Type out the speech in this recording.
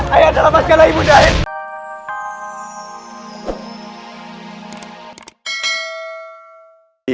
ayah dalam masalah ibu naya